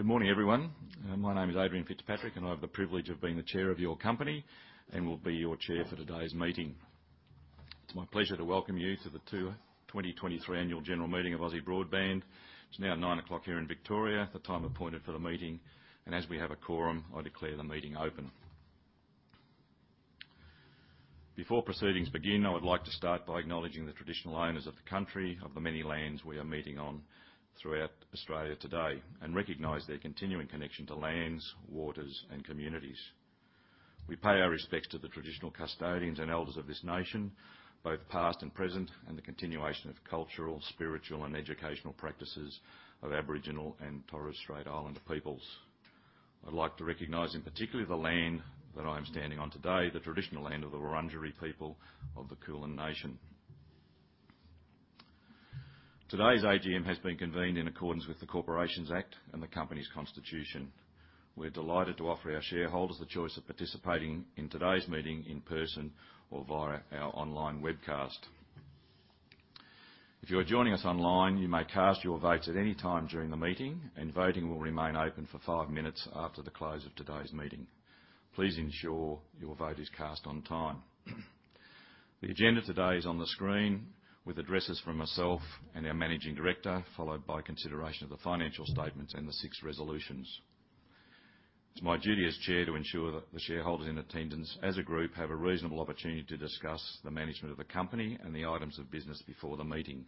Good morning, everyone. My name is Adrian Fitzpatrick, and I have the privilege of being the chair of your company and will be your chair for today's meeting. It's my pleasure to welcome you to the 2023 Annual General Meeting of Aussie Broadband. It's now 9:00 A.M. here in Victoria, the time appointed for the meeting, and as we have a quorum, I declare the meeting open. Before proceedings begin, I would like to start by acknowledging the traditional owners of the country, of the many lands we are meeting on throughout Australia today, and recognize their continuing connection to lands, waters, and communities. We pay our respects to the traditional custodians and elders of this nation, both past and present, and the continuation of cultural, spiritual, and educational practices of Aboriginal and Torres Strait Islander peoples. I'd like to recognize, in particular, the land that I am standing on today, the traditional land of the Wurundjeri people of the Kulin Nation. Today's AGM has been convened in accordance with the Corporations Act and the Company's Constitution. We're delighted to offer our shareholders the choice of participating in today's meeting in person or via our online webcast. If you are joining us online, you may cast your votes at any time during the meeting, and voting will remain open for five minutes after the close of today's meeting. Please ensure your vote is cast on time. The agenda today is on the screen, with addresses from myself and our Managing Director, followed by consideration of the financial statements and the six resolutions. It's my duty as chair to ensure that the shareholders in attendance, as a group, have a reasonable opportunity to discuss the management of the company and the items of business before the meeting.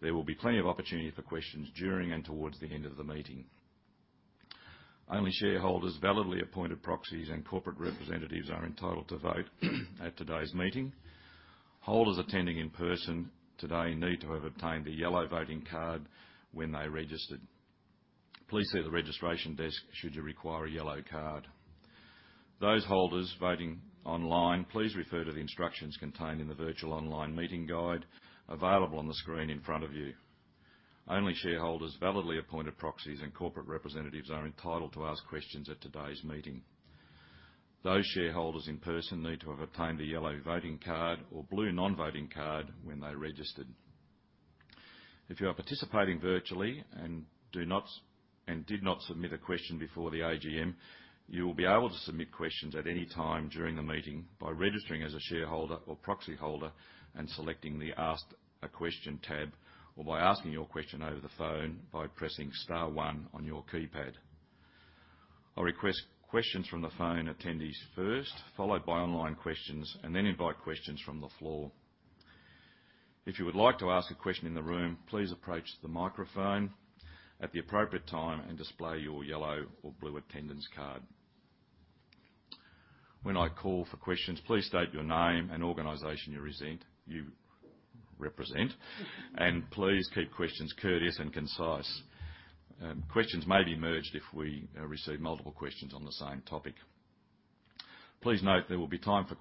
There will be plenty of opportunity for questions during and toward the end of the meeting. Only shareholders, validly appointed proxies, and corporate representatives are entitled to vote at today's meeting. Holders attending in person today need to have obtained the yellow voting card when they registered. Please see the registration desk should you require a yellow card. Those holders voting online, please refer to the instructions contained in the virtual online meeting guide, available on the screen in front of you. Only shareholders, validly appointed proxies, and corporate representatives are entitled to ask questions at today's meeting. Those shareholders in person need to have obtained a yellow voting card or blue non-voting card when they registered. If you are participating virtually and do not and did not submit a question before the AGM, you will be able to submit questions at any time during the meeting by registering as a shareholder or proxyholder and selecting the Ask a Question tab, or by asking your question over the phone by pressing star one on your keypad. I'll request questions from the phone attendees first, followed by online questions, and then invite questions from the floor. If you would like to ask a question in the room, please approach the microphone at the appropriate time and display your yellow or blue attendance card. When I call for questions, please state your name and organization you represent, and please keep questions courteous and concise. Questions may be merged if we receive multiple questions on the same topic. Please note there will be time for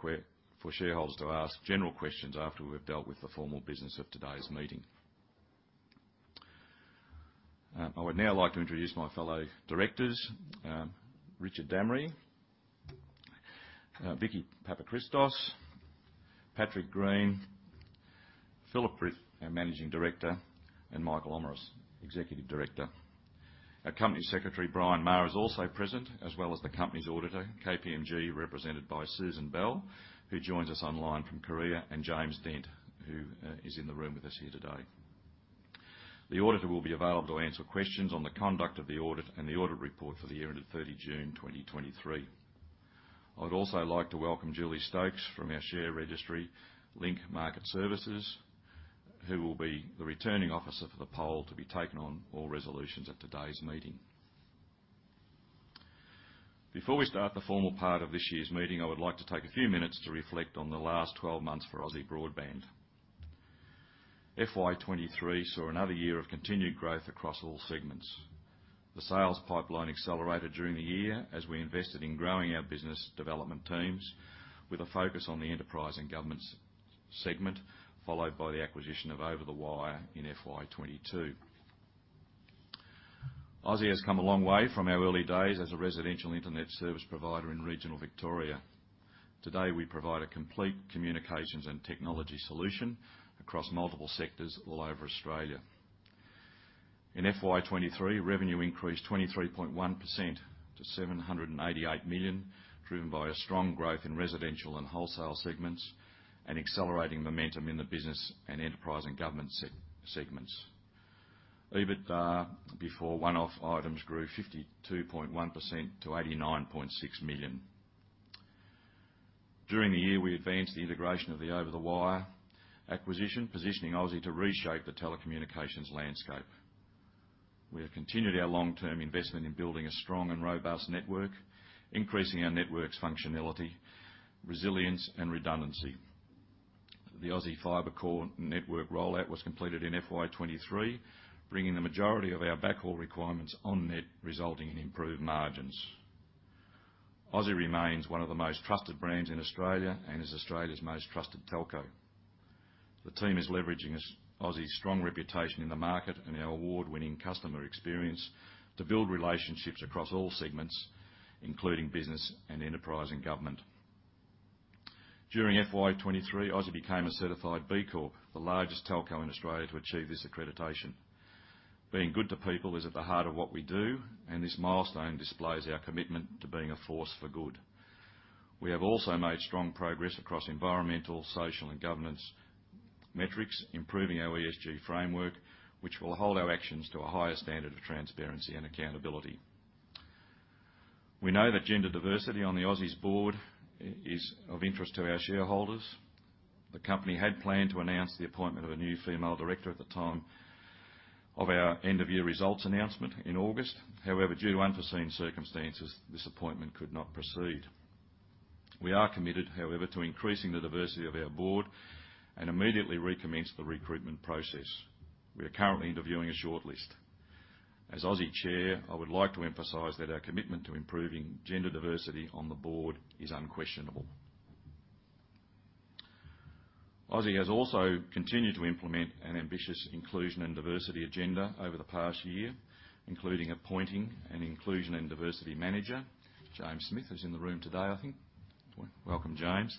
shareholders to ask general questions after we've dealt with the formal business of today's meeting. I would now like to introduce my fellow directors, Richard Dammery, Vicky Papachristos, Patrick Greene, Phillip Britt, our Managing Director, and Michael Omeros, Executive Director. Our Company Secretary, Brian Maher, is also present, as well as the company's auditor, KPMG, represented by Susan Bell, who joins us online from Korea, and James Dent, who is in the room with us here today. The auditor will be available to answer questions on the conduct of the audit and the audit report for the year ended 30 June 2023. I would also like to welcome Julie Stokes from our share registry, Link Market Services, who will be the Returning Officer for the poll to be taken on all resolutions at today's meeting. Before we start the formal part of this year's meeting, I would like to take a few minutes to reflect on the last 12 months for Aussie Broadband. FY 2023 saw another year of continued growth across all segments. The sales pipeline accelerated during the year as we invested in growing our business development teams with a focus on the enterprise and government segment, followed by the acquisition of Over the Wire in FY 2022. Aussie has come a long way from our early days as a residential internet service provider in regional Victoria. Today, we provide a complete communications and technology solution across multiple sectors all over Australia. In FY 2023, revenue increased 23.1% to 788 million, driven by a strong growth in residential and wholesale segments and accelerating momentum in the business and enterprise and government segments. EBITDA, before one-off items, grew 52.1% to 89.6 million. During the year, we advanced the integration of the Over the Wire acquisition, positioning Aussie to reshape the telecommunications landscape. We have continued our long-term investment in building a strong and robust network, increasing our network's functionality, resilience, and redundancy. The Aussie Fibre Core network rollout was completed in FY 2023, bringing the majority of our backhaul requirements on net, resulting in improved margins. Aussie remains one of the most trusted brands in Australia and is Australia's most trusted telco. The team is leveraging Aussie's strong reputation in the market and our award-winning customer experience to build relationships across all segments, including business and enterprise and government. During FY23, Aussie became a certified B Corp, the largest telco in Australia to achieve this accreditation. Being good to people is at the heart of what we do, and this milestone displays our commitment to being a force for good. We have also made strong progress across environmental, social, and governance metrics, improving our ESG framework, which will hold our actions to a higher standard of transparency and accountability. We know that gender diversity on the Aussie's board is of interest to our shareholders. The company had planned to announce the appointment of a new female director at the time of our end-of-year results announcement in August. However, due to unforeseen circumstances, this appointment could not proceed. We are committed, however, to increasing the diversity of our board and immediately recommence the recruitment process. We are currently interviewing a shortlist. As Aussie Chair, I would like to emphasize that our commitment to improving gender diversity on the board is unquestionable. Aussie has also continued to implement an ambitious inclusion and diversity agenda over the past year, including appointing an inclusion and diversity manager, James Smith, who's in the room today, I think. Welcome, James.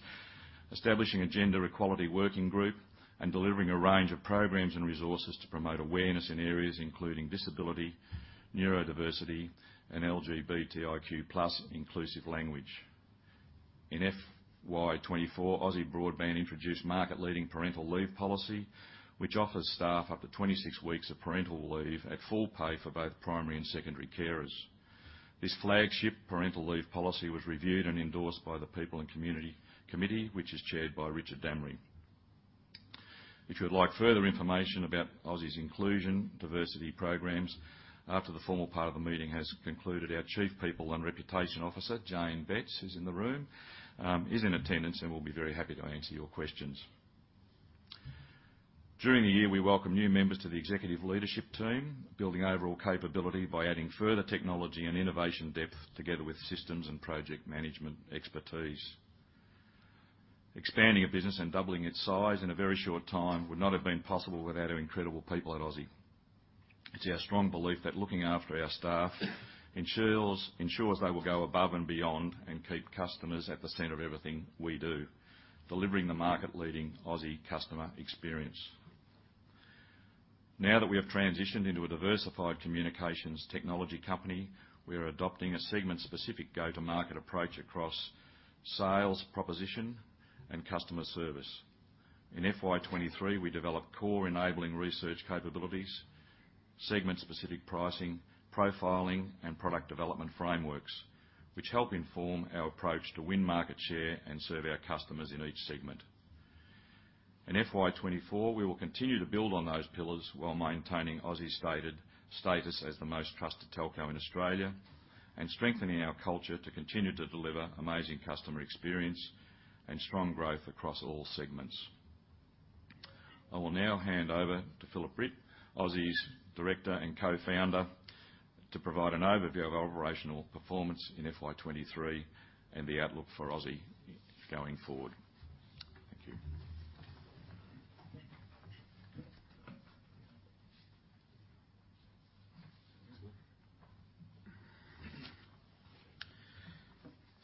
Establishing a gender equality working group, and delivering a range of programs and resources to promote awareness in areas including disability, neurodiversity, and LGBTIQ+ inclusive language. In FY24, Aussie Broadband introduced market-leading parental leave policy, which offers staff up to 26 weeks of parental leave at full pay for both primary and secondary carers. This flagship parental leave policy was reviewed and endorsed by the People and Community Committee, which is chaired by Richard Dammery. If you would like further information about Aussie's inclusion, diversity programs, after the formal part of the meeting has concluded, our Chief People and Reputation Officer, Jane Betts, who's in the room, is in attendance and will be very happy to answer your questions. During the year, we welcomed new members to the executive leadership team, building overall capability by adding further technology and innovation depth together with systems and project management expertise. Expanding a business and doubling its size in a very short time would not have been possible without our incredible people at Aussie. It's our strong belief that looking after our staff ensures they will go above and beyond and keep customers at the center of everything we do, delivering the market-leading Aussie customer experience. Now that we have transitioned into a diversified communications technology company, we are adopting a segment-specific go-to-market approach across sales, proposition, and customer service. In FY23, we developed core enabling research capabilities, segment-specific pricing, profiling, and product development frameworks, which help inform our approach to win market share and serve our customers in each segment. In FY24, we will continue to build on those pillars while maintaining Aussie's stated status as the most trusted telco in Australia, and strengthening our culture to continue to deliver amazing customer experience and strong growth across all segments. I will now hand over to Phillip Britt, Aussie's Director and Co-founder, to provide an overview of our operational performance in FY23 and the outlook for Aussie going forward.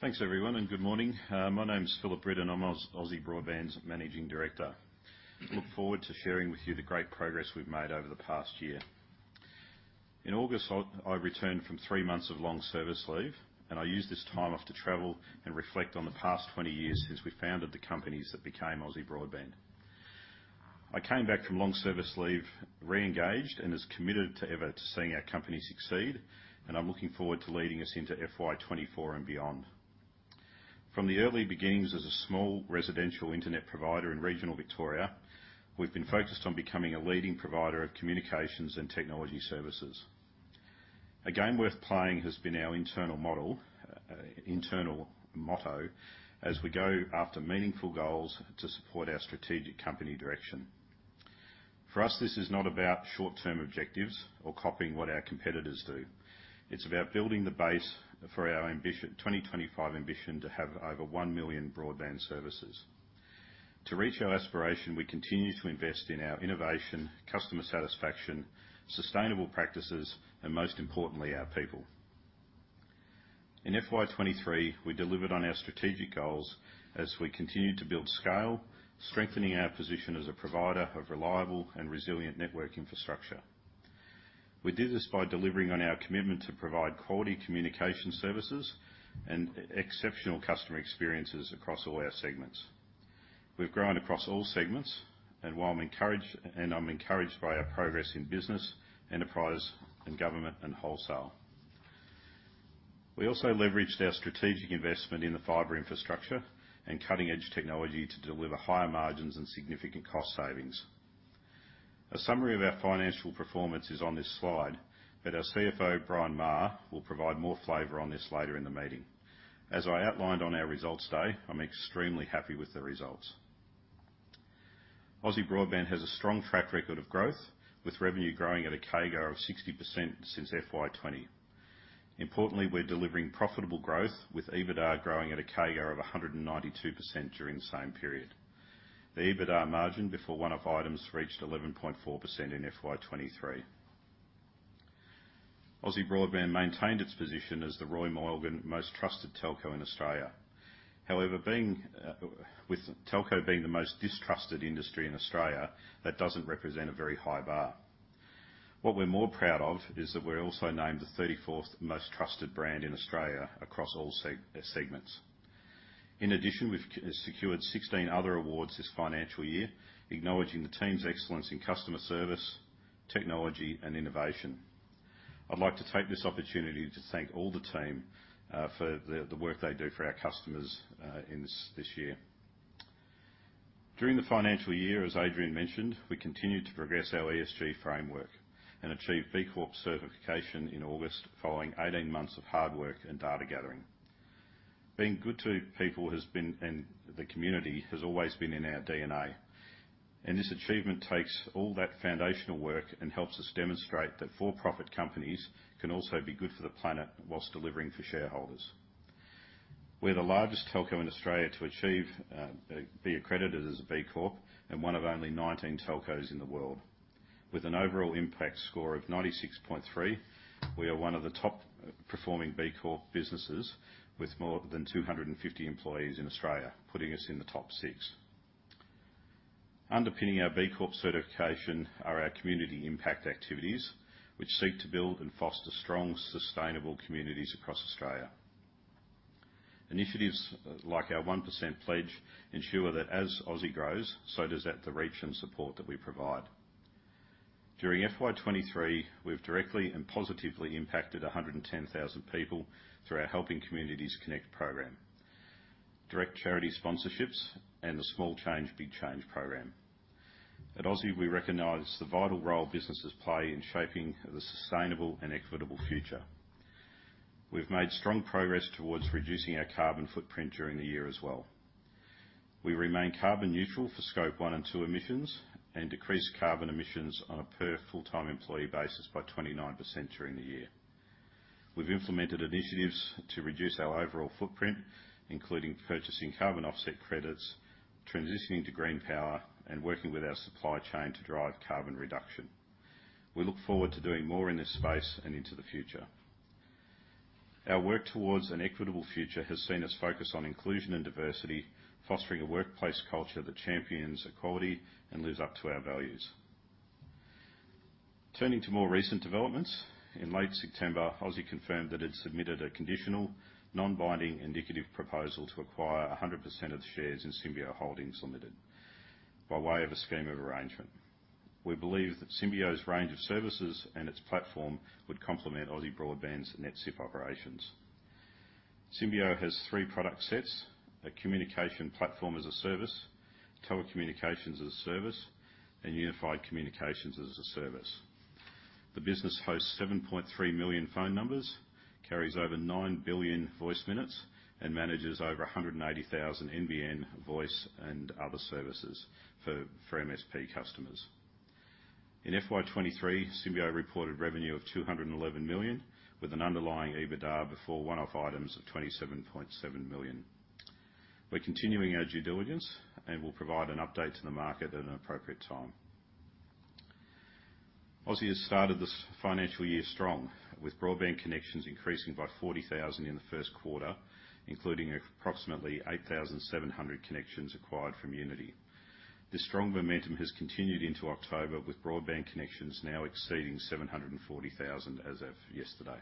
Thank you. Thanks, everyone, and good morning. My name is Phillip Britt, and I'm Aussie Broadband's Managing Director. Look forward to sharing with you the great progress we've made over the past year. In August, I returned from three months of long service leave, and I used this time off to travel and reflect on the past 20 years since we founded the companies that became Aussie Broadband. I came back from long service leave, re-engaged, and as committed to ever to seeing our company succeed, and I'm looking forward to leading us into FY24 and beyond. From the early beginnings as a small residential internet provider in regional Victoria, we've been focused on becoming a leading provider of communications and technology services. A game worth playing has been our internal model, internal motto, as we go after meaningful goals to support our strategic company direction. For us, this is not about short-term objectives or copying what our competitors do. It's about building the base for our ambition, 2025 ambition to have over 1 million broadband services. To reach our aspiration, we continue to invest in our innovation, customer satisfaction, sustainable practices, and most importantly, our people. In FY23, we delivered on our strategic goals as we continued to build scale, strengthening our position as a provider of reliable and resilient network infrastructure. We did this by delivering on our commitment to provide quality communication services and exceptional customer experiences across all our segments. We've grown across all segments, and while I'm encouraged and I'm encouraged by our progress in business, enterprise, and government, and wholesale. We also leveraged our strategic investment in the fiber infrastructure and cutting-edge technology to deliver higher margins and significant cost savings. A summary of our financial performance is on this slide, but our CFO, Brian Maher, will provide more flavor on this later in the meeting. As I outlined on our results day, I'm extremely happy with the results. Aussie Broadband has a strong track record of growth, with revenue growing at a CAGR of 60% since FY20. Importantly, we're delivering profitable growth, with EBITDA growing at a CAGR of 192% during the same period. The EBITDA margin before one-off items reached 11.4% in FY23. Aussie Broadband maintained its position as the Roy Morgan Most Trusted Telco in Australia. However, being with telco being the most distrusted industry in Australia, that doesn't represent a very high bar. What we're more proud of is that we're also named the 34th Most Trusted Brand in Australia across all segments. In addition, we've secured 16 other awards this financial year, acknowledging the team's excellence in customer service, technology, and innovation. I'd like to take this opportunity to thank all the team for the work they do for our customers in this year. During the financial year, as Adrian mentioned, we continued to progress our ESG framework and achieve B Corp certification in August, following 18 months of hard work and data gathering. Being good to people and the community has always been in our DNA, and this achievement takes all that foundational work and helps us demonstrate that for-profit companies can also be good for the planet while delivering for shareholders. We're the largest telco in Australia to achieve be accredited as a B Corp and one of only 19 telcos in the world. With an overall impact score of 96.3, we are one of the top performing B Corp businesses with more than 250 employees in Australia, putting us in the top six. Underpinning our B Corp certification are our community impact activities, which seek to build and foster strong, sustainable communities across Australia. Initiatives like our One Percent Pledge ensure that as Aussie grows, so does the reach and support that we provide. During FY 2023, we've directly and positively impacted 110,000 people through our Helping Communities Connect program, direct charity sponsorships, and the Small Change, Big Change program. At Aussie, we recognize the vital role businesses play in shaping the sustainable and equitable future. We've made strong progress towards reducing our carbon footprint during the year as well. We remain carbon neutral for Scope 1 and 2 emissions, and decrease carbon emissions on a per full-time employee basis by 29% during the year. We've implemented initiatives to reduce our overall footprint, including purchasing carbon offset credits, transitioning to green power, and working with our supply chain to drive carbon reduction. We look forward to doing more in this space and into the future. Our work towards an equitable future has seen us focus on inclusion and diversity, fostering a workplace culture that champions equality and lives up to our values. Turning to more recent developments, in late September, Aussie confirmed that it submitted a conditional, non-binding, indicative proposal to acquire 100% of the shares in Symbio Holdings Limited, by way of a Scheme of Arrangement. We believe that Symbio's range of services and its platform would complement Aussie Broadband's NetSIP operations. Symbio has three product sets: Communications Platform as a Service, Telecommunications as a Service, and Unified Communications as a Service. The business hosts 7.3 million phone numbers, carries over 9 billion voice minutes, and manages over 180,000 NBN voice and other services for MSP customers. In FY 2023, Symbio reported revenue of 211 million, with an underlying EBITDA before one-off items of 27.7 million. We're continuing our due diligence, and we'll provide an update to the market at an appropriate time. Aussie has started this financial year strong, with broadband connections increasing by 40,000 in the first quarter, including approximately 8,700 connections acquired from Uniti. This strong momentum has continued into October, with broadband connections now exceeding 740,000 as of yesterday.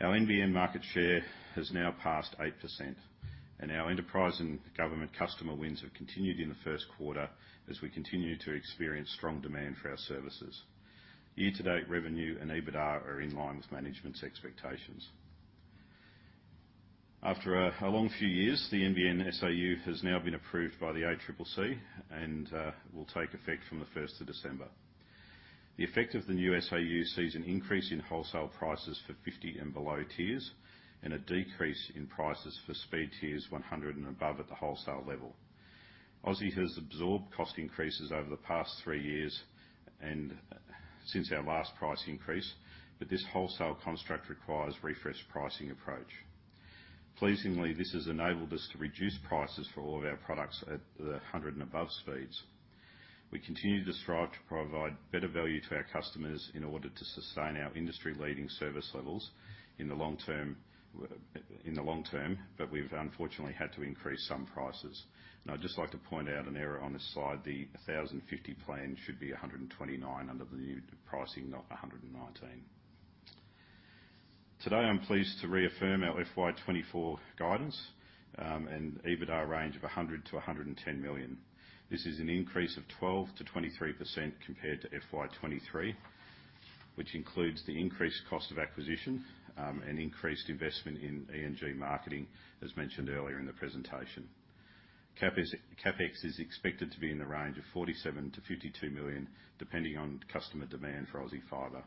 Our NBN market share has now passed 8%, and our enterprise and government customer wins have continued in the first quarter as we continue to experience strong demand for our services. Year-to-date, revenue and EBITDA are in line with management's expectations. After a long few years, the NBN SAU has now been approved by the ACCC and will take effect from the first of December. The effect of the new SAU sees an increase in wholesale prices for 50 and below tiers, and a decrease in prices for speed tiers 100 and above at the wholesale level. Aussie has absorbed cost increases over the past three years and since our last price increase, but this wholesale construct requires refreshed pricing approach. Pleasingly, this has enabled us to reduce prices for all of our products at the 100 and above speeds. We continue to strive to provide better value to our customers in order to sustain our industry-leading service levels in the long term, in the long term, but we've unfortunately had to increase some prices. I'd just like to point out an error on this slide. The 1000/50 plan should be 129 under the new pricing, not 119. Today, I'm pleased to reaffirm our FY 2024 guidance, and EBITDA range of 100-110 million. This is an increase of 12%-23% compared to FY 2023, which includes the increased cost of acquisition, and increased investment in ESG marketing, as mentioned earlier in the presentation. CapEx is expected to be in the range of 47-52 million, depending on customer demand for Aussie Fibre.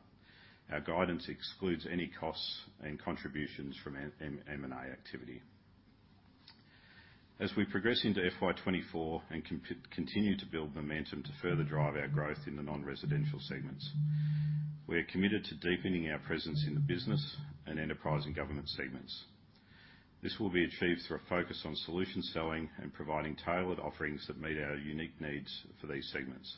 Our guidance excludes any costs and contributions from M&A activity. As we progress into FY 2024 and continue to build momentum to further drive our growth in the non-residential segments, we are committed to deepening our presence in the business and enterprise and government segments. This will be achieved through a focus on solution selling and providing tailored offerings that meet our unique needs for these segments,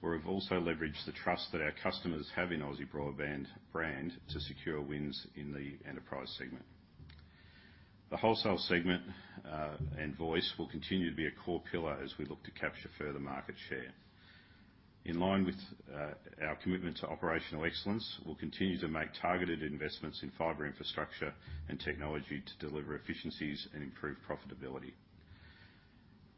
where we've also leveraged the trust that our customers have in Aussie Broadband brand to secure wins in the enterprise segment. The wholesale segment, and voice will continue to be a core pillar as we look to capture further market share. In line with our commitment to operational excellence, we'll continue to make targeted investments in fiber infrastructure and technology to deliver efficiencies and improve profitability.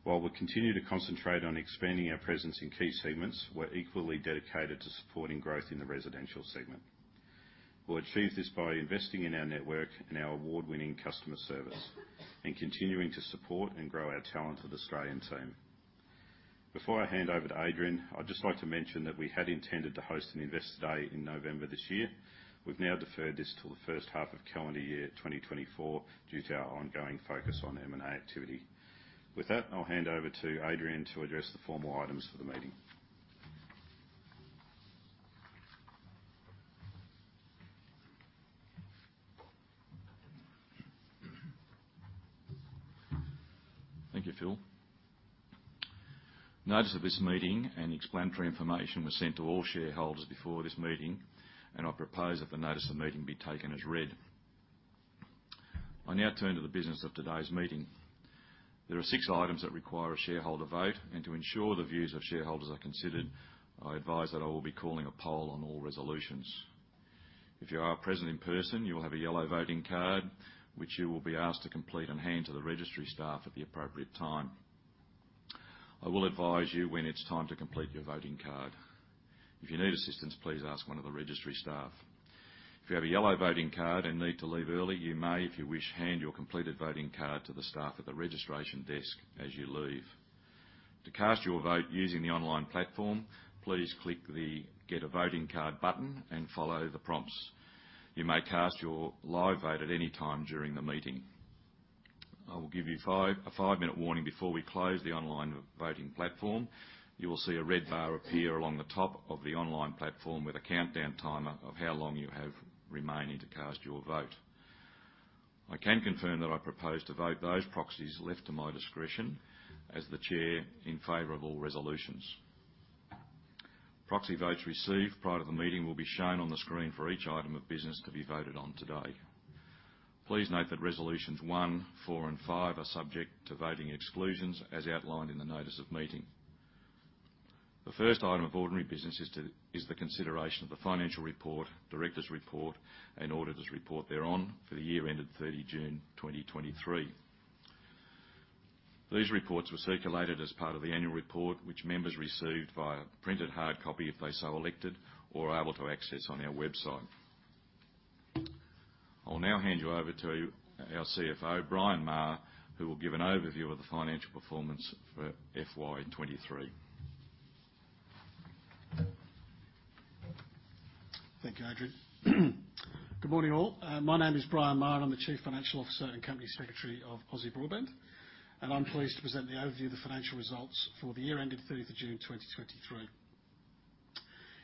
While we continue to concentrate on expanding our presence in key segments, we're equally dedicated to supporting growth in the residential segment. We'll achieve this by investing in our network and our award-winning customer service, and continuing to support and grow our talented Australian team. Before I hand over to Adrian, I'd just like to mention that we had intended to host an Investor Day in November this year. We've now deferred this to the first half of calendar year 2024 due to our ongoing focus on M&A activity. With that, I'll hand over to Adrian to address the formal items for the meeting. Thank you, Phil. Notice of this meeting and explanatory information was sent to all shareholders before this meeting, and I propose that the notice of the meeting be taken as read. I now turn to the business of today's meeting. There are six items that require a shareholder vote, and to ensure the views of shareholders are considered, I advise that I will be calling a poll on all resolutions. If you are present in person, you will have a yellow voting card, which you will be asked to complete and hand to the registry staff at the appropriate time. I will advise you when it's time to complete your voting card. If you need assistance, please ask one of the registry staff. If you have a yellow voting card and need to leave early, you may, if you wish, hand your completed voting card to the staff at the registration desk as you leave. To cast your vote using the online platform, please click the Get A Voting Card button and follow the prompts. You may cast your live vote at any time during the meeting. I will give you a five-minute warning before we close the online voting platform. You will see a red bar appear along the top of the online platform with a countdown timer of how long you have remaining to cast your vote. I can confirm that I propose to vote those proxies left to my discretion as the Chair in favor of all resolutions. Proxy votes received prior to the meeting will be shown on the screen for each item of business to be voted on today. Please note that Resolutions one, four, and five are subject to voting exclusions as outlined in the notice of meeting. The first item of ordinary business is the consideration of the financial report, directors' report, and auditors' report thereon for the year ended 30 June 2023. These reports were circulated as part of the annual report, which members received via printed hard copy, if they so elected, or are able to access on our website. I will now hand you over to our CFO, Brian Maher, who will give an overview of the financial performance for FY 23. Thank you, Adrian. Good morning, all. My name is Brian Maher. I'm the Chief Financial Officer and Company Secretary of Aussie Broadband, and I'm pleased to present the overview of the financial results for the year ended thirtieth of June 2023.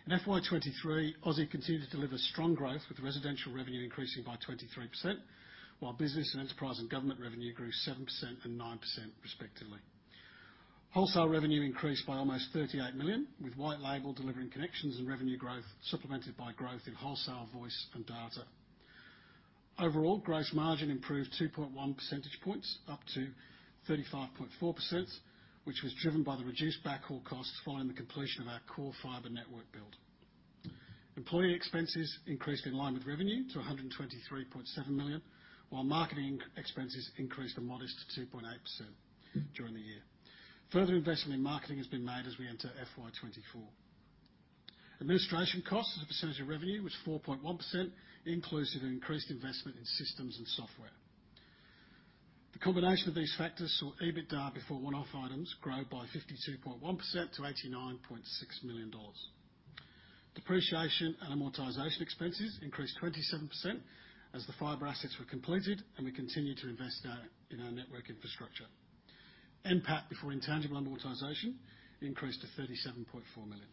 In FY 2023, Aussie continued to deliver strong growth, with residential revenue increasing by 23%, while business and enterprise and government revenue grew 7% and 9% respectively. Wholesale revenue increased by almost 38 million, with white label delivering connections and revenue growth, supplemented by growth in wholesale voice and data. Overall, gross margin improved 2.1 percentage points, up to 35.4%, which was driven by the reduced backhaul costs following the completion of our core fiber network build. Employee expenses increased in line with revenue to 123.7 million, while marketing expenses increased a modest 2.8% during the year. Further investment in marketing has been made as we enter FY 2024. Administration costs as a percentage of revenue was 4.1%, inclusive of increased investment in systems and software. The combination of these factors saw EBITDA before one-off items grow by 52.1% to 89.6 million dollars. Depreciation and amortization expenses increased 27% as the fiber assets were completed, and we continued to invest in our network infrastructure. NPAT before intangible amortization increased to 37.4 million.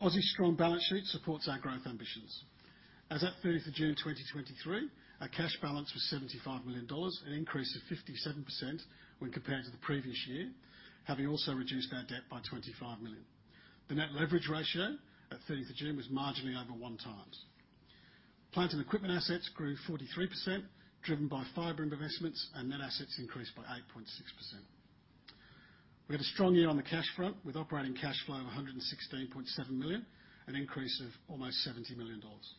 Aussie's strong balance sheet supports our growth ambitions. As at 30th June 2023, our cash balance was AUD 75 million, an increase of 57% when compared to the previous year, having also reduced our debt by AUD 25 million. The net leverage ratio at 30th June was marginally over 1x. Plant and equipment assets grew 43%, driven by fiber investments, and net assets increased by 8.6%. We had a strong year on the cash front, with operating cash flow of 116.7 million, an increase of almost 70 million dollars.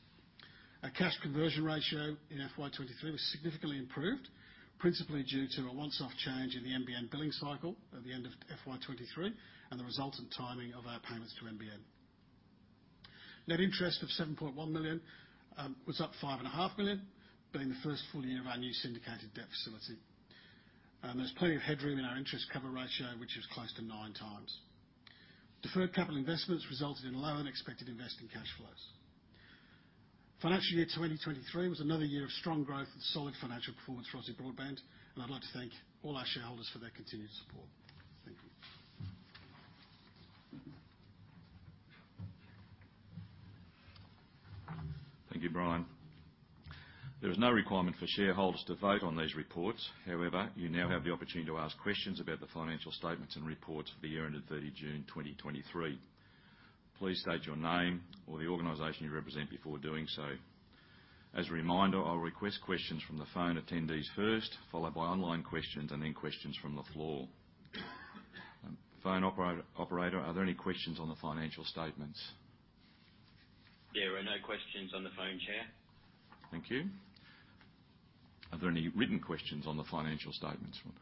Our cash conversion ratio in FY 2023 was significantly improved, principally due to a once-off change in the NBN billing cycle at the end of FY 2023 and the resultant timing of our payments to NBN. Net interest of 7.1 million was up 5.5 million, being the first full year of our new syndicated debt facility. There's plenty of headroom in our interest cover ratio, which is close to nine times. Deferred capital investments resulted in lower-than-expected investing cash flows. Financial year 2023 was another year of strong growth and solid financial performance for Aussie Broadband, and I'd like to thank all our shareholders for their continued support.... Thank you, Brian. There is no requirement for shareholders to vote on these reports. However, you now have the opportunity to ask questions about the financial statements and reports for the year ended 30 June 2023. Please state your name or the organization you represent before doing so. As a reminder, I'll request questions from the phone attendees first, followed by online questions and then questions from the floor. Phone operator, are there any questions on the financial statements? There are no questions on the phone, Chair. Thank you. Are there any written questions on the financial statements, Ron?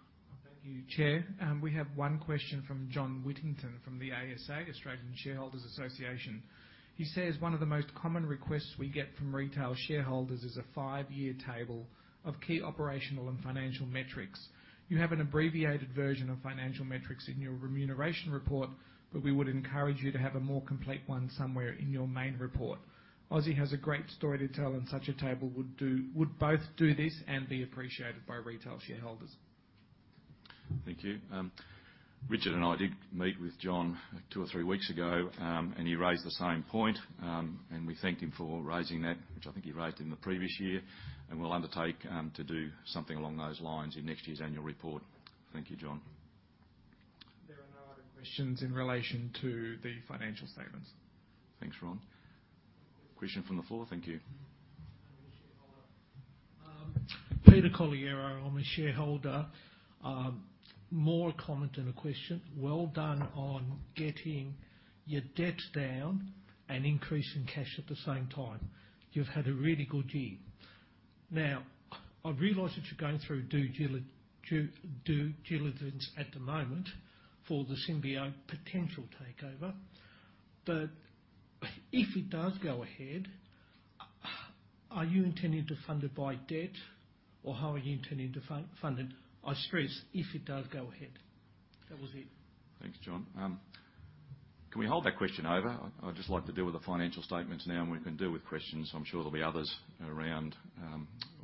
Thank you, Chair. We have one question from John Whittington from the ASA, Australian Shareholders Association. He says, "One of the most common requests we get from retail shareholders is a five-year table of key operational and financial metrics. You have an abbreviated version of financial metrics in your remuneration report, but we would encourage you to have a more complete one somewhere in your main report. Aussie has a great story to tell, and such a table would both do this and be appreciated by retail shareholders. Thank you. Richard and I did meet with John two or three weeks ago, and he raised the same point. We thanked him for raising that, which I think he raised in the previous year, and we'll undertake to do something along those lines in next year's annual report. Thank you, John. There are no other questions in relation to the financial statements. Thanks, Ron. Question from the floor? Thank you. I'm a shareholder. Peter Colliero, I'm a shareholder. More a comment than a question. Well done on getting your debt down and increasing cash at the same time. You've had a really good year. Now, I realize that you're going through due diligence at the moment for the Symbio potential takeover, but if it does go ahead, are you intending to fund it by debt or how are you intending to fund it? I stress, if it does go ahead. That was it. Thanks, John. Can we hold that question over? I'd just like to deal with the financial statements now, and we can deal with questions. I'm sure there'll be others around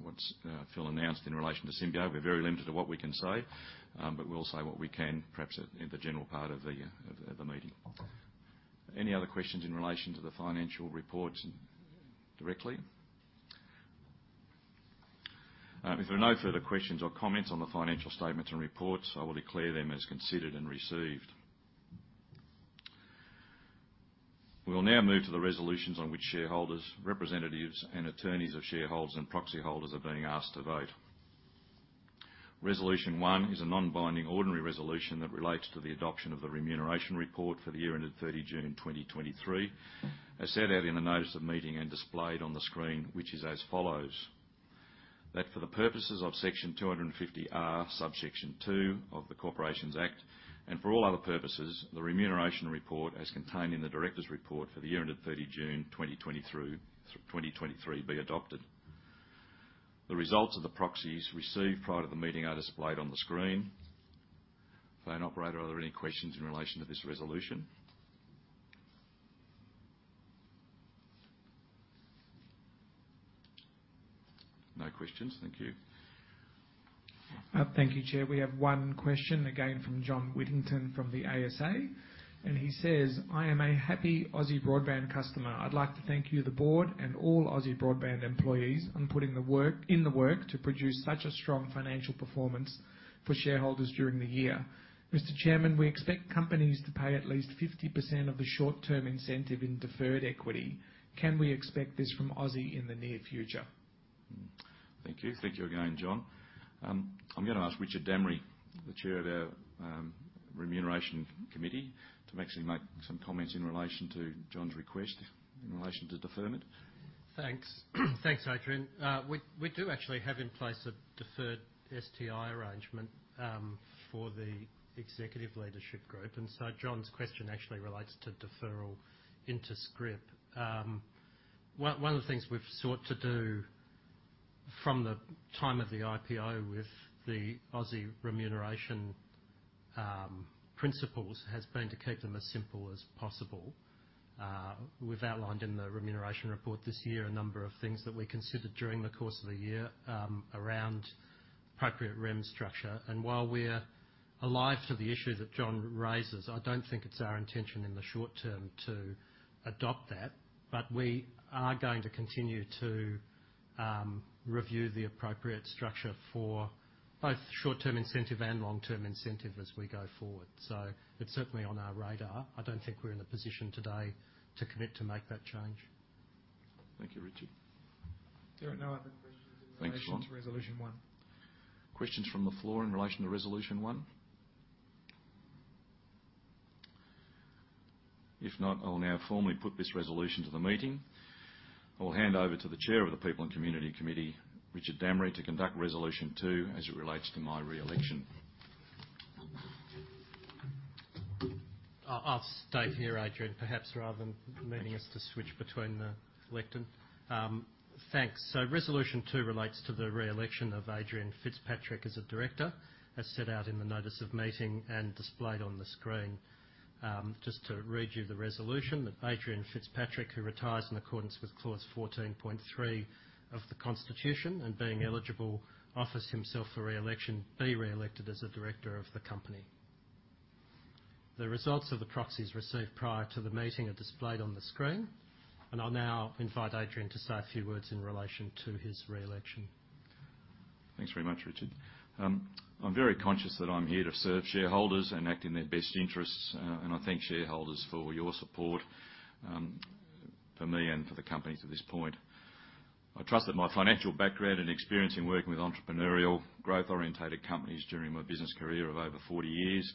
what's Phil announced in relation to Symbio. We're very limited to what we can say, but we'll say what we can perhaps at, in the general part of the, of the, the meeting. Any other questions in relation to the financial report directly? If there are no further questions or comments on the financial statements and reports, I will declare them as considered and received. We will now move to the resolutions on which shareholders, representatives and attorneys of shareholders and proxy holders are being asked to vote. Resolution 1 is a non-binding ordinary resolution that relates to the adoption of the remuneration report for the year ended 30 June 2023, as set out in the notice of meeting and displayed on the screen, which is as follows: That for the purposes of Section 250R, subsection 2 of the Corporations Act, and for all other purposes, the Remuneration Report, as contained in the Directors' Report for the year ended 30 June 2023, 2023, be adopted. The results of the proxies received prior to the meeting are displayed on the screen. Phone operator, are there any questions in relation to this resolution? No questions. Thank you. Thank you, Chair. We have one question again from John Whittington from the ASA, and he says: "I am a happy Aussie Broadband customer. I'd like to thank you, the board, and all Aussie Broadband employees on putting in the work to produce such a strong financial performance for shareholders during the year. Mr. Chairman, we expect companies to pay at least 50% of the short-term incentive in deferred equity. Can we expect this from Aussie in the near future? Thank you. Thank you again, John. I'm gonna ask Richard Dammery, the chair of our Remuneration Committee, to actually make some comments in relation to John's request, in relation to deferment. Thanks. Thanks, Adrian. We do actually have in place a deferred STI arrangement for the executive leadership group, and so John's question actually relates to deferral into scrip. One of the things we've sought to do from the time of the IPO with the Aussie remuneration principles has been to keep them as simple as possible. We've outlined in the remuneration report this year a number of things that we considered during the course of the year around appropriate rem structure. And while we're alive to the issue that John raises, I don't think it's our intention in the short term to adopt that, but we are going to continue to review the appropriate structure for both short-term incentive and long-term incentive as we go forward. So it's certainly on our radar. I don't think we're in a position today to commit to make that change. Thank you, Richie. There are no other questions. Thanks, Ron... in relation to Resolution 1. Questions from the floor in relation to Resolution 1? If not, I'll now formally put this resolution to the meeting. I will hand over to the chair of the People and Community Committee, Richard Dammery, to conduct Resolution 2 as it relates to my re-election. I'll stay here, Adrian, perhaps rather than needing us- Thank you... to switch between the lectern. Thanks. So Resolution two relates to the re-election of Adrian Fitzpatrick as a director, as set out in the notice of meeting and displayed on the screen. Just to read you the resolution, that Adrian Fitzpatrick, who retires in accordance with Clause 14.3 of the Constitution, and being eligible, offers himself for re-election, be re-elected as a director of the company. The results of the proxies received prior to the meeting are displayed on the screen, and I'll now invite Adrian to say a few words in relation to his re-election. Thanks very much, Richard. I'm very conscious that I'm here to serve shareholders and act in their best interests, and I thank shareholders for your support, for me and for the company to this point. I trust that my financial background and experience in working with entrepreneurial, growth-oriented companies during my business career of over 40 years,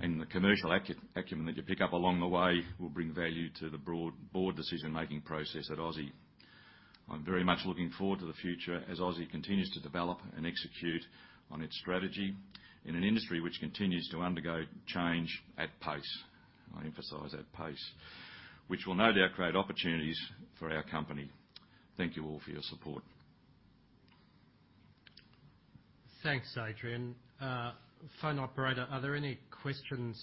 and the commercial acumen that you pick up along the way, will bring value to the board decision-making process at Aussie. I'm very much looking forward to the future as Aussie continues to develop and execute on its strategy in an industry which continues to undergo change at pace. I emphasize at pace, which will no doubt create opportunities for our company. Thank you all for your support. Thanks, Adrian. Phone operator, are there any questions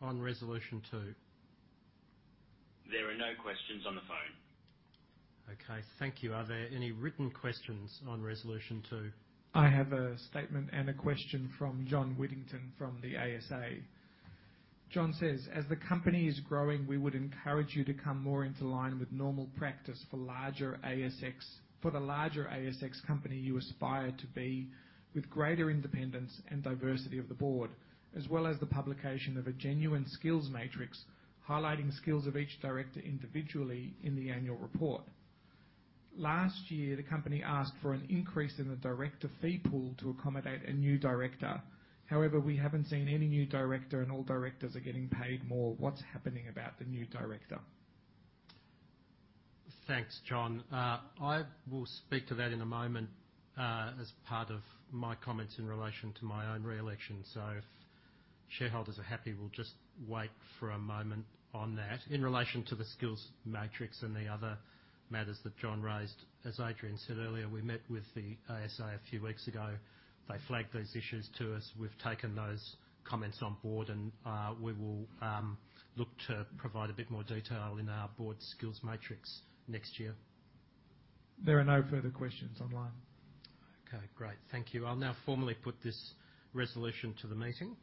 on Resolution Two? There are no questions on the phone. Okay, thank you. Are there any written questions on Resolution 2? I have a statement and a question from John Whittington from the ASA. John says: "As the company is growing, we would encourage you to come more into line with normal practice for the larger ASX company you aspire to be, with greater independence and diversity of the board, as well as the publication of a genuine skills matrix, highlighting skills of each director individually in the annual report. Last year, the company asked for an increase in the director fee pool to accommodate a new director. However, we haven't seen any new director, and all directors are getting paid more. What's happening about the new director? Thanks, John. I will speak to that in a moment, as part of my comments in relation to my own re-election. So if shareholders are happy, we'll just wait for a moment on that. In relation to the skills matrix and the other matters that John raised, as Adrian said earlier, we met with the ASA a few weeks ago. They flagged those issues to us. We've taken those comments on board and, we will, look to provide a bit more detail in our board skills matrix next year. There are no further questions online. Okay, great. Thank you. I'll now formally put this resolution to the meeting.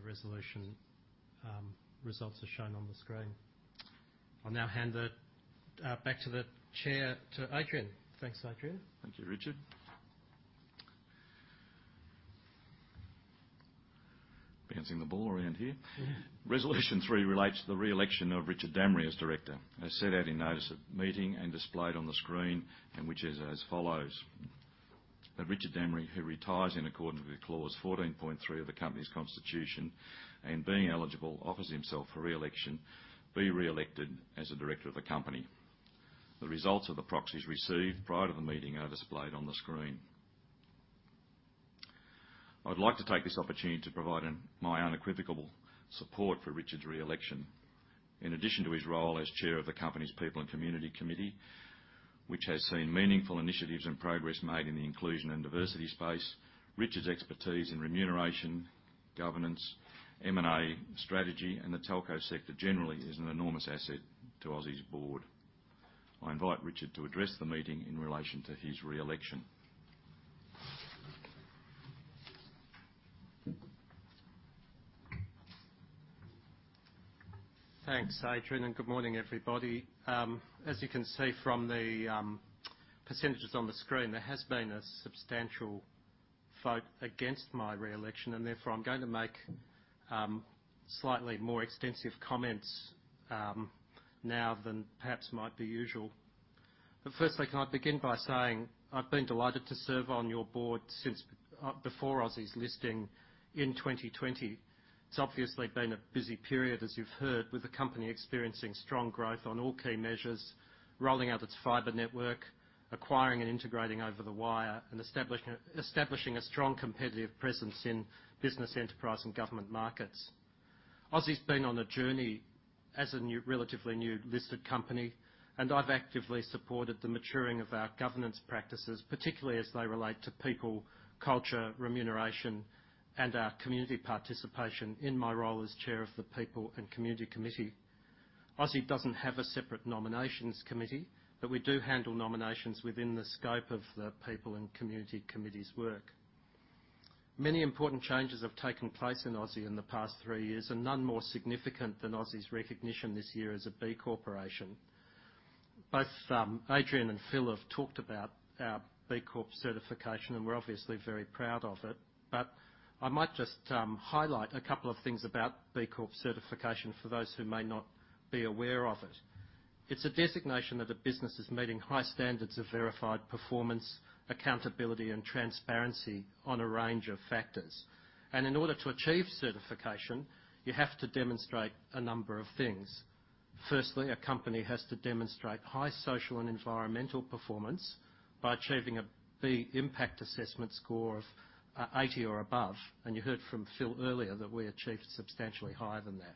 The resolution, results are shown on the screen. I'll now hand it, back to the chair, to Adrian. Thanks, Adrian. Thank you, Richard. Bouncing the ball around here. Resolution 3 relates to the re-election of Richard Dammery as director, as set out in Notice of the Meeting and displayed on the screen, and which is as follows: That Richard Dammery, who retires in accordance with Clause 14.3 of the company's constitution, and being eligible, offers himself for re-election, be re-elected as a director of the company. The results of the proxies received prior to the meeting are displayed on the screen. I'd like to take this opportunity to provide my unequivocal support for Richard's re-election. In addition to his role as Chair of the company's People and Community Committee, which has seen meaningful initiatives and progress made in the inclusion and diversity space, Richard's expertise in remuneration, governance, M&A, strategy, and the telco sector generally, is an enormous asset to Aussie's board. I invite Richard to address the meeting in relation to his re-election. Thanks, Adrian, and good morning, everybody. As you can see from the percentages on the screen, there has been a substantial vote against my re-election, and therefore, I'm going to make slightly more extensive comments now than perhaps might be usual. But firstly, can I begin by saying I've been delighted to serve on your board since before Aussie's listing in 2020. It's obviously been a busy period, as you've heard, with the company experiencing strong growth on all key measures, rolling out its fiber network, acquiring and integrating Over the Wire, and establishing a strong competitive presence in business, enterprise, and government markets. Aussie's been on a journey as a relatively new listed company, and I've actively supported the maturing of our governance practices, particularly as they relate to people, culture, remuneration, and our community participation in my role as Chair of the People and Community Committee. Aussie doesn't have a separate nominations committee, but we do handle nominations within the scope of the People and Community Committee's work. Many important changes have taken place in Aussie in the past three years, and none more significant than Aussie's recognition this year as a B Corporation. Both, Adrian and Phil have talked about our B Corp certification, and we're obviously very proud of it. But I might just highlight a couple of things about B Corp certification for those who may not be aware of it. It's a designation that a business is meeting high standards of verified performance, accountability, and transparency on a range of factors. In order to achieve certification, you have to demonstrate a number of things. Firstly, a company has to demonstrate high social and environmental performance by achieving a B Impact Assessment Score of 80 or above, and you heard from Phil earlier that we achieved substantially higher than that.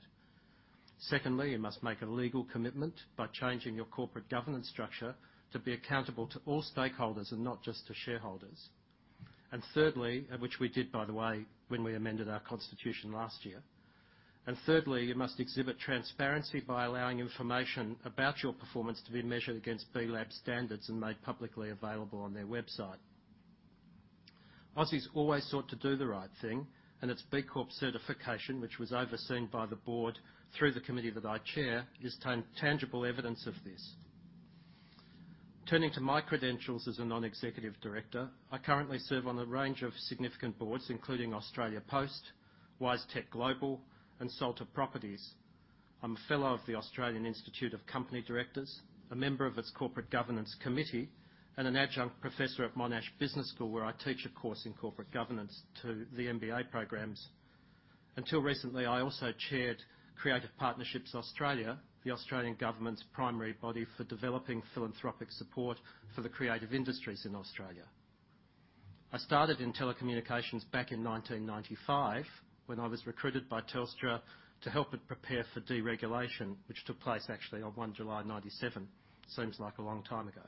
Secondly, you must make a legal commitment by changing your corporate governance structure to be accountable to all stakeholders and not just to shareholders. And thirdly, which we did, by the way, when we amended our constitution last year. And thirdly, you must exhibit transparency by allowing information about your performance to be measured against B Lab standards and made publicly available on their website. Aussie's always sought to do the right thing, and its B Corp certification, which was overseen by the board through the committee that I chair, is tangible evidence of this. Turning to my credentials as a non-executive director, I currently serve on a range of significant boards, including Australia Post, WiseTech Global, and Salta Properties. I'm a fellow of the Australian Institute of Company Directors, a member of its Corporate Governance Committee, and an adjunct professor at Monash Business School, where I teach a course in corporate governance to the MBA programs. Until recently, I also chaired Creative Partnerships Australia, the Australian Government's primary body for developing philanthropic support for the creative industries in Australia. I started in telecommunications back in 1995, when I was recruited by Telstra to help it prepare for deregulation, which took place actually on 1 July 1997. Seems like a long time ago.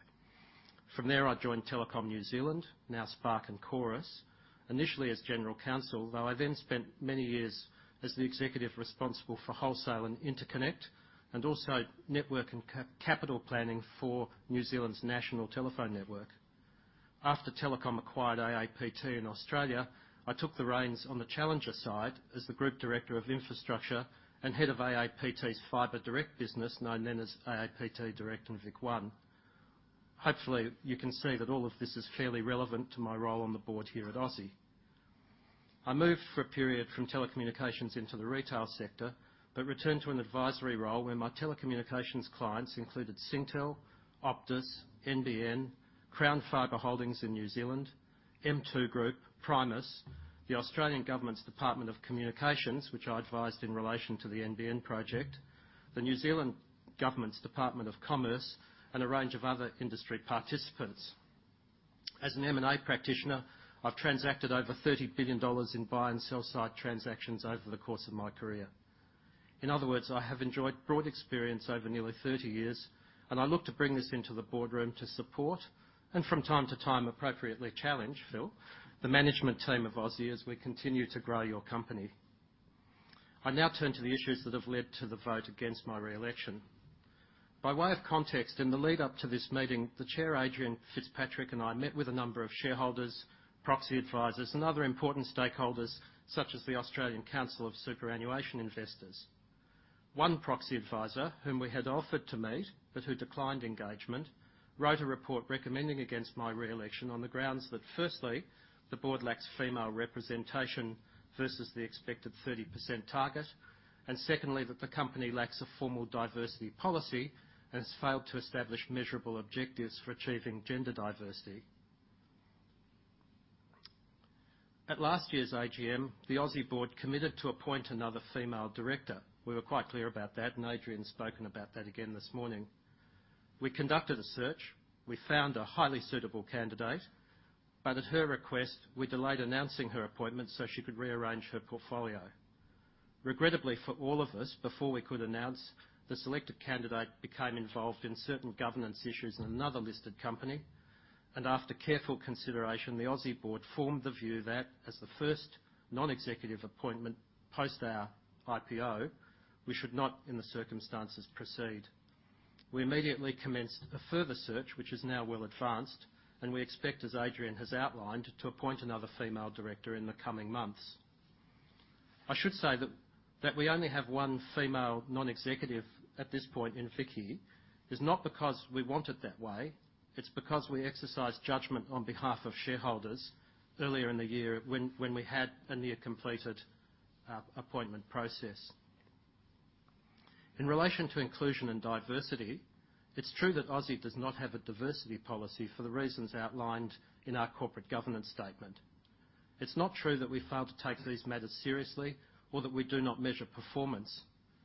From there, I joined Telecom New Zealand, now Spark and Chorus, initially as general counsel, though I then spent many years as the executive responsible for wholesale and interconnect, and also network and capital planning for New Zealand's national telephone network. After Telecom acquired AAPT in Australia, I took the reins on the challenger side as the group director of infrastructure and head of AAPT's Fiber Direct business, known then as AAPT Direct and VicOne. Hopefully, you can see that all of this is fairly relevant to my role on the board here at Aussie. I moved for a period from telecommunications into the retail sector, but returned to an advisory role, where my telecommunications clients included Singtel, Optus, NBN, Crown Fibre Holdings in New Zealand, M2 Group, Primus, the Australian Government's Department of Communications, which I advised in relation to the NBN project, the New Zealand Government's Department of Commerce, and a range of other industry participants. As an M&A practitioner, I've transacted over 30 billion dollars in buy and sell-side transactions over the course of my career. In other words, I have enjoyed broad experience over nearly 30 years, and I look to bring this into the boardroom to support, and from time to time, appropriately challenge Phil, the management team of Aussie, as we continue to grow your company. I now turn to the issues that have led to the vote against my re-election. By way of context, in the lead up to this meeting, the Chair, Adrian Fitzpatrick, and I met with a number of shareholders, proxy advisors, and other important stakeholders, such as the Australian Council of Superannuation Investors. One proxy advisor, whom we had offered to meet but who declined engagement, wrote a report recommending against my re-election on the grounds that, firstly, the board lacks female representation versus the expected 30% target, and secondly, that the company lacks a formal diversity policy and has failed to establish measurable objectives for achieving gender diversity. At last year's AGM, the Aussie board committed to appoint another female director. We were quite clear about that, and Adrian spoken about that again this morning. We conducted a search. We found a highly suitable candidate, but at her request, we delayed announcing her appointment so she could rearrange her portfolio. Regrettably, for all of us, before we could announce, the selected candidate became involved in certain governance issues in another listed company, and after careful consideration, the Aussie board formed the view that as the first non-executive appointment post our IPO, we should not, in the circumstances, proceed. We immediately commenced a further search, which is now well advanced, and we expect, as Adrian has outlined, to appoint another female director in the coming months. I should say that we only have one female non-executive at this point in Vicky, is not because we want it that way. It's because we exercise judgment on behalf of shareholders earlier in the year when we had a near-completed appointment process. In relation to inclusion and diversity, it's true that Aussie does not have a diversity policy for the reasons outlined in our corporate governance statement. It's not true that we failed to take these matters seriously or that we do not measure performance.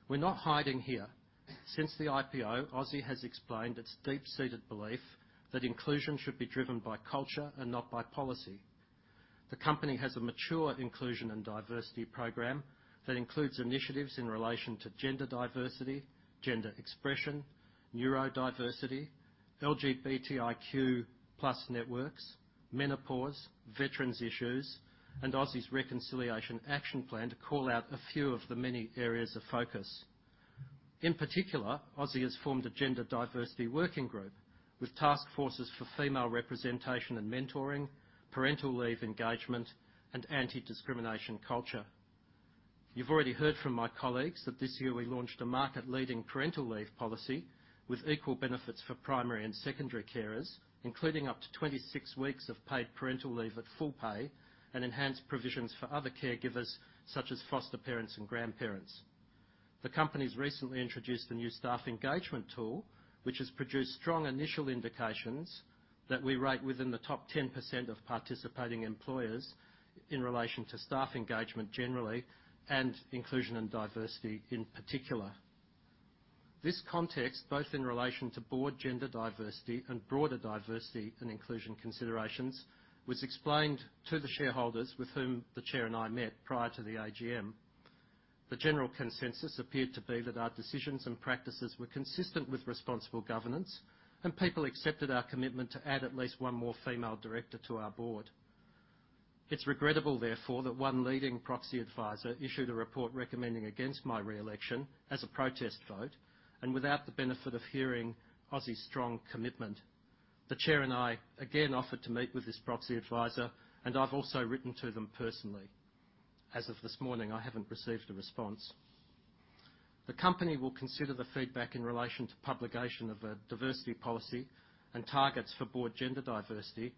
We're not hiding here. Since the IPO, Aussie has explained its deep-seated belief that inclusion should be driven by culture and not by policy. The company has a mature inclusion and diversity program that includes initiatives in relation to gender diversity, gender expression, neurodiversity, LGBTIQ+ networks, menopause, veterans issues, and Aussie's Reconciliation Action Plan, to call out a few of the many areas of focus. In particular, Aussie has formed a gender diversity working group with task forces for female representation and mentoring, parental leave engagement, and anti-discrimination culture. You've already heard from my colleagues that this year we launched a market-leading parental leave policy with equal benefits for primary and secondary carers, including up to 26 weeks of paid parental leave at full pay, and enhanced provisions for other caregivers, such as foster parents and grandparents. The company's recently introduced a new staff engagement tool, which has produced strong initial indications that we rate within the top 10% of participating employers in relation to staff engagement generally and inclusion and diversity in particular. This context, both in relation to board gender diversity and broader diversity and inclusion considerations, was explained to the shareholders with whom the chair and I met prior to the AGM. The general consensus appeared to be that our decisions and practices were consistent with responsible governance, and people accepted our commitment to add at least one more female director to our board. It's regrettable, therefore, that one leading proxy advisor issued a report recommending against my re-election as a protest vote and without the benefit of hearing Aussie's strong commitment. The chair and I again offered to meet with this proxy advisor, and I've also written to them personally. As of this morning, I haven't received a response. The company will consider the feedback in relation to publication of a diversity policy and targets for board gender diversity,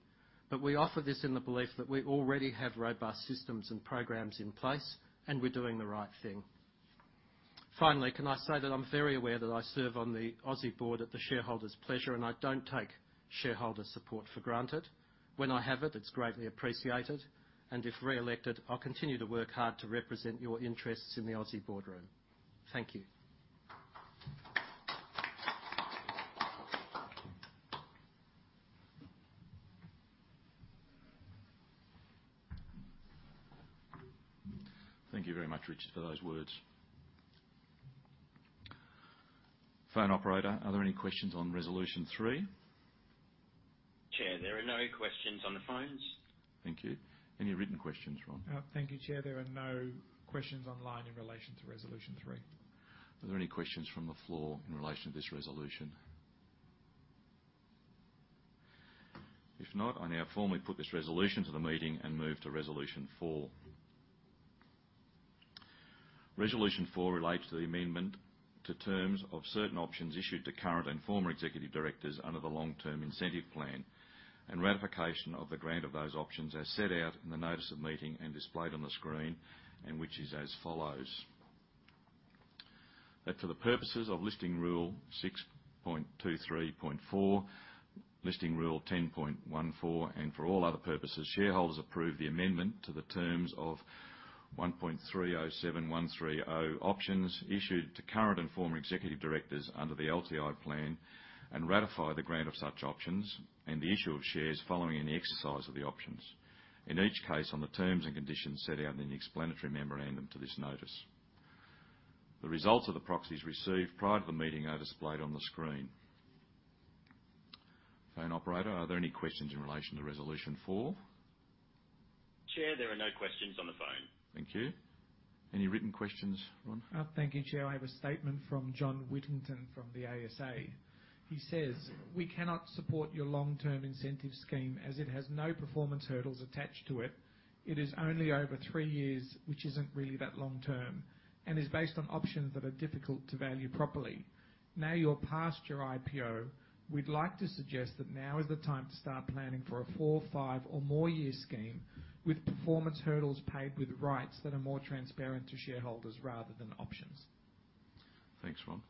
but we offer this in the belief that we already have robust systems and programs in place, and we're doing the right thing. Finally, can I say that I'm very aware that I serve on the Aussie board at the shareholders' pleasure, and I don't take shareholder support for granted. When I have it, it's greatly appreciated, and if re-elected, I'll continue to work hard to represent your interests in the Aussie boardroom. Thank you. Thank you very much, Richard, for those words. Phone operator, are there any questions on resolution three? Chair, there are no questions on the phones. Thank you. Any written questions, Ron? Thank you, Chair. There are no questions online in relation to resolution three. Are there any questions from the floor in relation to this resolution? If not, I now formally put this resolution to the meeting and move to resolution four. Resolution 4 relates to the amendment to terms of certain options issued to current and former executive directors under the Long Term Incentive Plan, and ratification of the grant of those options are set out in the notice of meeting and displayed on the screen, and which is as follows: That for the purposes of Listing Rule Six. Two. Three. Four, Listing Rule Ten. One. Four, and for all other purposes, shareholders approve the amendment to the terms of 1.307130 options issued to current and former executive directors under the LTI plan, and ratify the grant of such options and the issue of shares following any exercise of the options, in each case on the terms and conditions set out in the explanatory memorandum to this notice. The results of the proxies received prior to the meeting are displayed on the screen. Phone operator, are there any questions in relation to resolution four? Chair, there are no questions on the phone. Thank you. Any written questions, Ron? Thank you, Chair. I have a statement from John Whittington from the ASA. He says, "We cannot support your long-term incentive scheme as it has no performance hurdles attached to it. It is only over three years, which isn't really that long term, and is based on options that are difficult to value properly. Now you're past your IPO, we'd like to suggest that now is the time to start planning for a four, five, or more year scheme with performance hurdles paid with rights that are more transparent to shareholders rather than options. Thanks, Ron.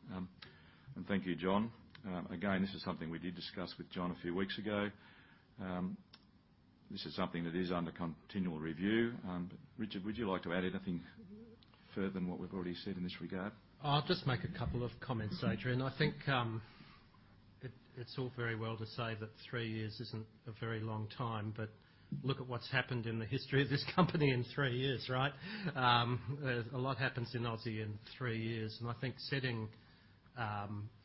Thank you, John. Again, this is something we did discuss with John a few weeks ago. This is something that is under continual review. Richard, would you like to add anything further than what we've already said in this regard? I'll just make a couple of comments, Adrian. I think it's all very well to say that three years isn't a very long time, but look at what's happened in the history of this company in three years, right? A lot happens in Aussie in three years, and I think setting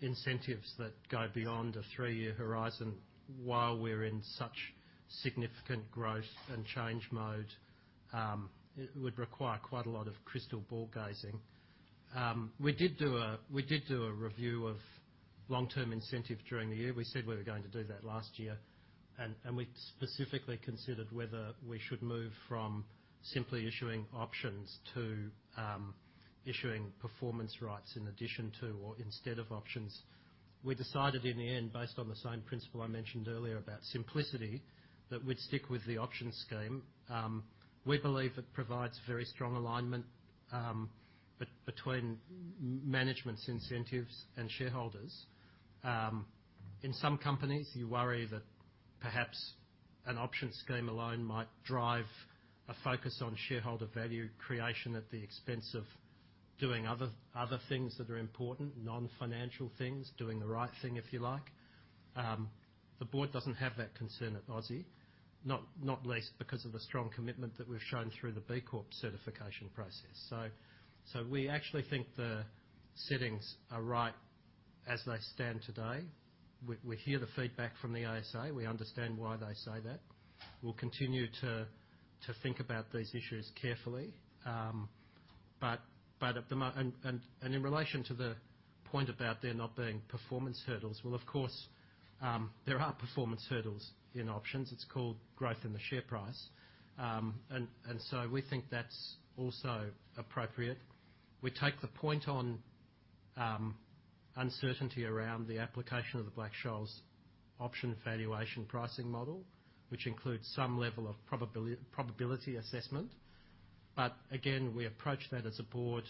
incentives that go beyond a three-year horizon while we're in such significant growth and change mode, it would require quite a lot of crystal ball gazing. We did do a, we did do a review of long-term incentive during the year. We said we were going to do that last year, and we specifically considered whether we should move from simply issuing options to issuing performance rights in addition to, or instead of options. We decided in the end, based on the same principle I mentioned earlier about simplicity, that we'd stick with the option scheme. We believe it provides very strong alignment between management's incentives and shareholders. In some companies, you worry that perhaps an option scheme alone might drive a focus on shareholder value creation at the expense of doing other things that are important, non-financial things, doing the right thing, if you like. The board doesn't have that concern at Aussie, not least because of the strong commitment that we've shown through the B Corp certification process. So we actually think the settings are right as they stand today. We hear the feedback from the ASA. We understand why they say that. We'll continue to think about these issues carefully. But at the moment and in relation to the point about there not being performance hurdles, well, of course, there are performance hurdles in options. It's called growth in the share price. So we think that's also appropriate. We take the point on uncertainty around the application of the Black-Scholes option valuation pricing model, which includes some level of probability assessment. But again, we approach that as a board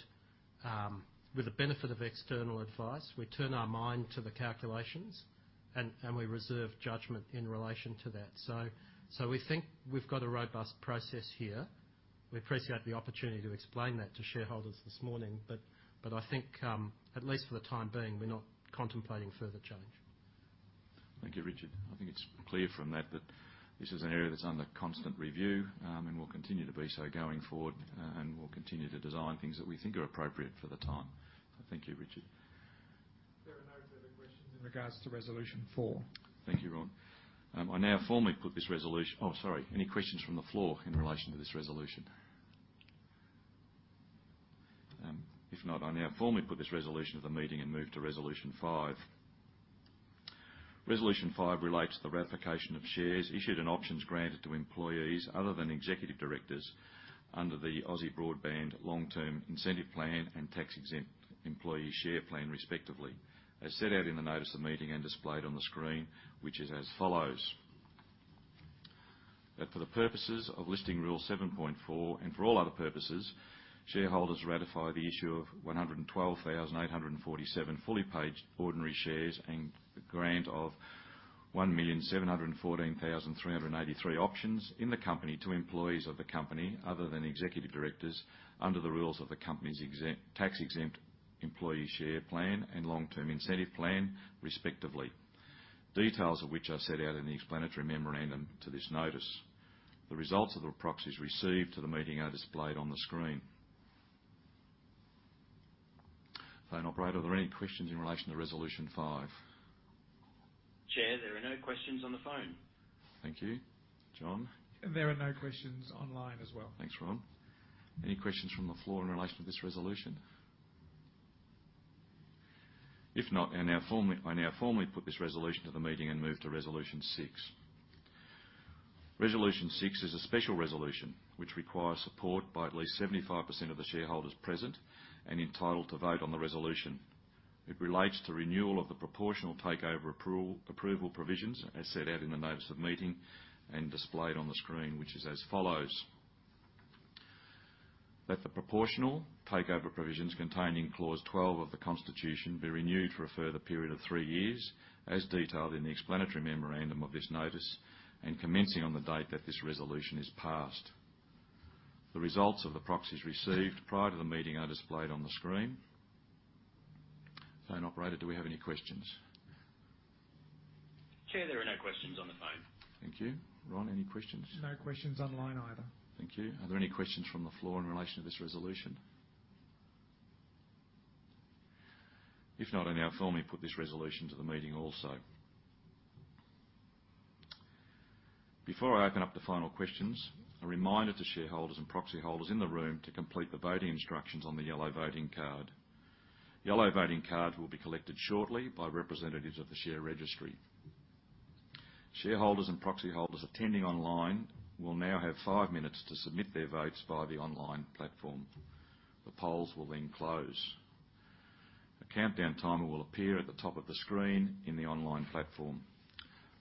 with the benefit of external advice. We turn our mind to the calculations, and we reserve judgment in relation to that. So we think we've got a robust process here. We appreciate the opportunity to explain that to shareholders this morning, but I think, at least for the time being, we're not contemplating further change. Thank you, Richard. I think it's clear from that, that this is an area that's under constant review, and will continue to be so going forward, and we'll continue to design things that we think are appropriate for the time. Thank you, Richard.... in regards to Resolution 4. Thank you, Ron. I now formally put this resolution—Oh, sorry, any questions from the floor in relation to this resolution? If not, I now formally put this resolution to the meeting and move to Resolution five. Resolution 5 relates to the ratification of shares issued and options granted to employees other than executive directors under the Aussie Broadband Long Term Incentive Plan and Tax Exempt Employee Share Plan, respectively, as set out in the notice of the meeting and displayed on the screen, which is as follows: That for the purposes of Listing Rule 7.4, and for all other purposes, shareholders ratify the issue of 112,847 fully paid ordinary shares, and the grant of 1,714,383 options in the company to employees of the company, other than executive directors, under the rules of the company's Tax Exempt Employee Share Plan and Long Term Incentive Plan, respectively. Details of which are set out in the explanatory memorandum to this notice. The results of the proxies received to the meeting are displayed on the screen. Phone operator, are there any questions in relation to Resolution 5? Chair, there are no questions on the phone. Thank you. John? There are no questions online as well. Thanks, Ron. Any questions from the floor in relation to this resolution? If not, I now formally, I now formally put this resolution to the meeting and move to Resolution six. Resolution six is a special resolution, which requires support by at least 75% of the shareholders present and entitled to vote on the resolution. It relates to renewal of the proportional takeover approval, approval provisions, as set out in the notice of the meeting and displayed on the screen, which is as follows: That the proportional takeover provisions contained in Clause 12 of the Constitution be renewed for a further period of three years, as detailed in the explanatory memorandum of this notice, and commencing on the date that this resolution is passed. The results of the proxies received prior to the meeting are displayed on the screen. Phone operator, do we have any questions? Chair, there are no questions on the phone. Thank you. Ron, any questions? No questions online either. Thank you. Are there any questions from the floor in relation to this resolution? If not, I now formally put this resolution to the meeting also. Before I open up the final questions, a reminder to shareholders and proxy holders in the room to complete the voting instructions on the yellow voting card. Yellow voting cards will be collected shortly by representatives of the share registry. Shareholders and proxy holders attending online will now have five minutes to submit their votes via the online platform. The polls will then close. A countdown timer will appear at the top of the screen in the online platform.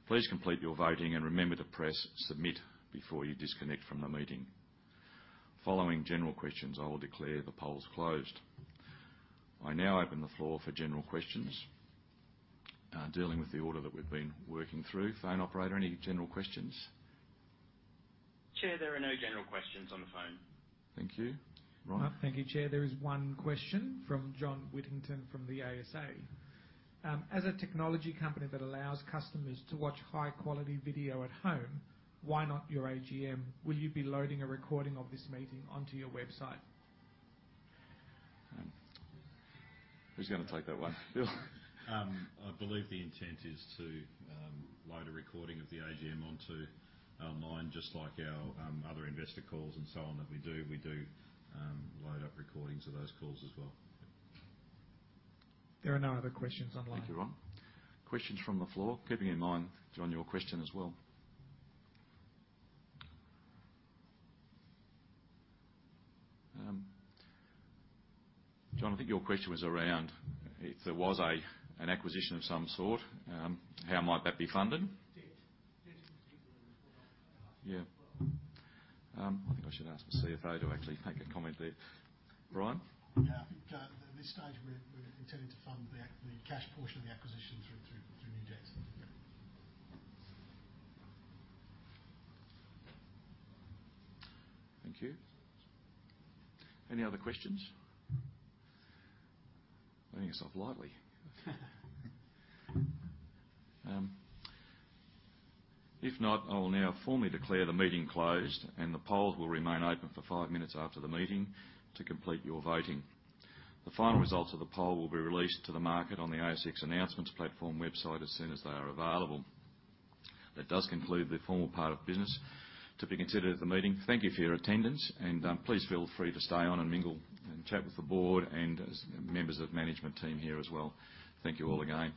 Please complete your voting, and remember to press Submit before you disconnect from the meeting. Following general questions, I will declare the polls closed. I now open the floor for general questions, dealing with the order that we've been working through. Phone operator, any general questions? Chair, there are no general questions on the phone. Thank you. Ron? Thank you, Chair. There is one question from John Whittington from the ASA. As a technology company that allows customers to watch high-quality video at home, why not your AGM? Will you be loading a recording of this meeting onto your website? Who's gonna take that one? I believe the intent is to load a recording of the AGM onto online, just like our other investor calls and so on that we do. We do load up recordings of those calls as well. There are no other questions online. Thank you, Ron. Questions from the floor, keeping in mind, John, your question as well. John, I think your question was around if there was an acquisition of some sort, how might that be funded? Debt. Debt is the people. Yeah. I think I should ask the CFO to actually make a comment there. Brian? Yeah, I think, at this stage, we're intending to fund the cash portion of the acquisition through new debts. Thank you. Any other questions? If not, I will now formally declare the meeting closed, and the polls will remain open for five minutes after the meeting to complete your voting. The final results of the poll will be released to the market on the ASX announcements platform website as soon as they are available. That does conclude the formal part of business to be considered at the meeting. Thank you for your attendance, and please feel free to stay on and mingle and chat with the board and as members of management team here as well. Thank you all again.